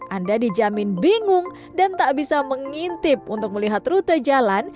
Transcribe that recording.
anda dijamin bingung dan tak bisa mengintip untuk melihat rute jalan